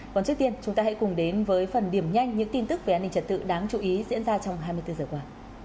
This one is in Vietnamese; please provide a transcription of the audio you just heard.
còn trước tiên chúng ta hãy cùng đến với phần điểm nhanh những tin tức về an ninh trật tự đáng chú ý diễn ra trong hai mươi bốn giờ qua